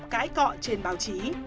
cãi cọ trên báo chí